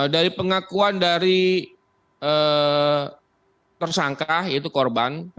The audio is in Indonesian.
dari pengakuan dari tersangka yaitu korban